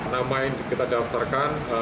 nama yang kita daftarkan